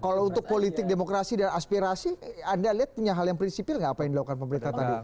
kalau untuk politik demokrasi dan aspirasi anda lihat punya hal yang prinsipil nggak apa yang dilakukan pemerintah tadi